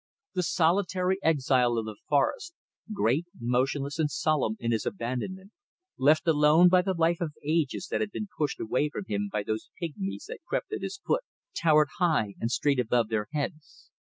The solitary exile of the forests, great, motionless and solemn in his abandonment, left alone by the life of ages that had been pushed away from him by those pigmies that crept at his foot, towered high and straight above their heads.